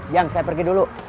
yang saya pergi dulu